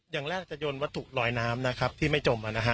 อย่างแรกจะโยนวัตถุลอยน้ำนะครับที่ไม่จม